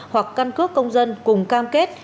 hoặc căn cước công dân cùng cam kết